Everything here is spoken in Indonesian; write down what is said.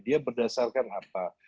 dia berdasarkan apa